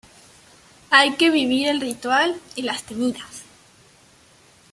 Hay que vivir el Ritual y las Tenidas.